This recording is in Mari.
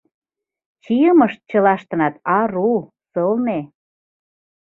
Чийымышт чылаштынат ару, сылне.